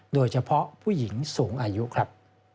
โดยเฉพาะผู้หญิงสูงอายุครับ